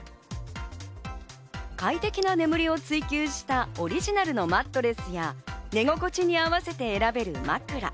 快適な眠りを追求したオリジナルのマットレスや、寝心地にあわせて選べる枕。